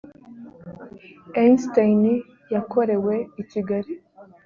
einstein yakorewe i kigali